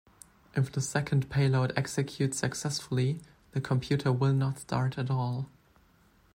If the second payload executes successfully, the computer will not start at all.